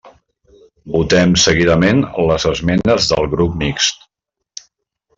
Votem seguidament les esmenes del Grup Mixt.